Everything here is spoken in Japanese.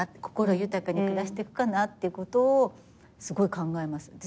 心豊かに暮らしてくかなっていうことをすごい考えます。